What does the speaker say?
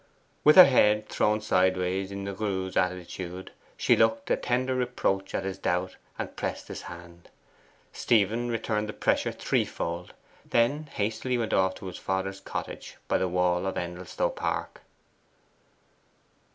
With her head thrown sideways in the Greuze attitude, she looked a tender reproach at his doubt and pressed his hand. Stephen returned the pressure threefold, then hastily went off to his father's cottage by the wall of Endelstow Park.